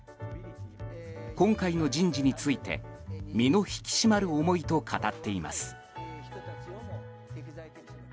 今回の人事について身の引き締まる思いと語っています。